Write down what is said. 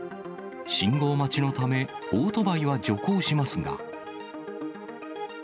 信号待ちのため、オートバイは徐行しますが。